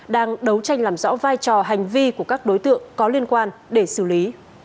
đang đấu tranh làm rõ vai trò hành vi của các đối tượng có liên quan để xử lý